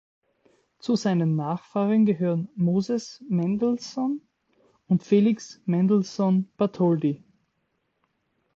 Zu seinen Nachfahren gehören Moses Mendelssohn und Felix Mendelssohn Bartholdy.